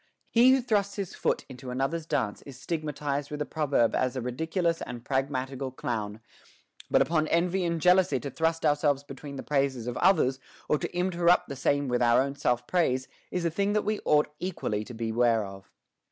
He who thrusts his foot into another's dance is stigmatized with a proverb as a ridiculous and pragmatical clown ; but upon envy and jeal ousy to thrust ourselves between the praises of others, or to interrupt the same with our own self praise, is a thing that we ought equally to beware of.